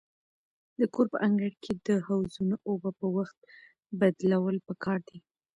د کور په انګړ کې د حوضونو اوبه په وخت بدلول پکار دي.